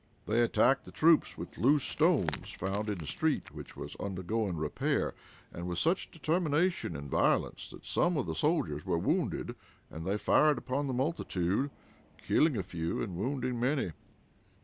They attacked the troops with the loose stones found in the street, which was undergoing repair, and with such determination and violence, that some of the soldiers were wounded, and they fired upon the multitude, killing a few and wounding many.